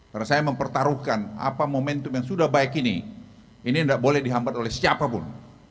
karena saya mempertaruhkan apa momentum yang sudah baik ini ini tidak boleh dihambat oleh siapapun